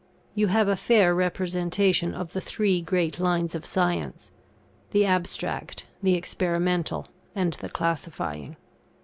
You have a fair representation of the three great lines of science the Abstract, the Experimental, and the Classifying.